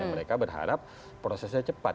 mereka berharap prosesnya cepat